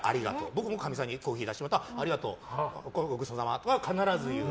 僕もかみさんにコーヒー出してもらったらありがとうごちそうさまとかは必ず言う。